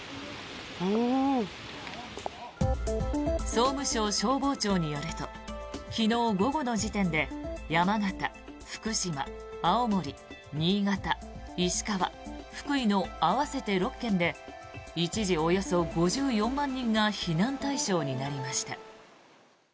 総務省消防庁によると昨日午後の時点で山形、福島、青森、新潟石川、福井の合わせて６県で一時、およそ５４万人が避難対象になりました。